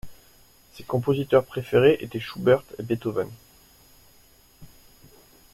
Ses compositeurs préférés étaient Schubert et Beethoven.